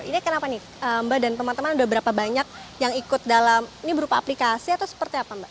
ini kenapa nih mbak dan teman teman udah berapa banyak yang ikut dalam ini berupa aplikasi atau seperti apa mbak